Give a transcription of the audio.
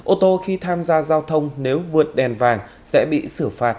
ô tô khi tham gia giao thông nếu vượt đèn vàng sẽ bị xử phạt